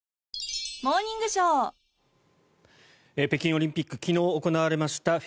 北京オリンピック昨日行われました